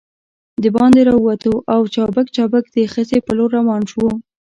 دباندې راووتو او چابک چابک د خزې په لور روان شوو.